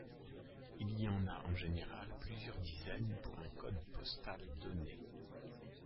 Il y en a en général plusieurs dizaines pour un code postal donné.